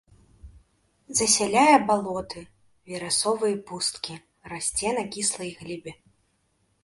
Засяляе балоты, верасовыя пусткі, расце на кіслай глебе.